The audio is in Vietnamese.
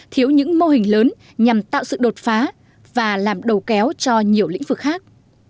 thiếu những mô hình lớn nhằm tạo sự đột phá và làm đầu kéo cho nhiều lĩnh vực khác